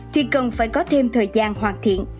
thì cần phải có thêm thời gian hoàn thiện